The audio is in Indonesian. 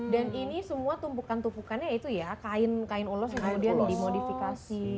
dan ini semua tumpukan tumpukannya itu ya kain kain ulos yang kemudian dimodifikasi